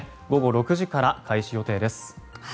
午後６時から開始予定です。